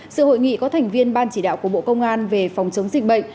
sự hội nghị có thành viên ban chỉ đạo của bộ công an về phòng chống dịch bệnh